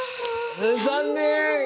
残念！